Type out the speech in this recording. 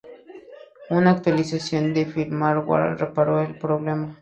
Una actualización de firmware reparó el problema.